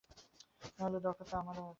তা হলে দরকার তো আমারও আছে।